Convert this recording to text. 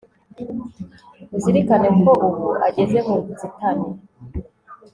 uzirikane ko ubu ageze mu nzitane